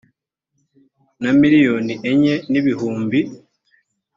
na miliyoni enye n ibihumbi